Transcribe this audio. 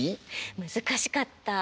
難しかった。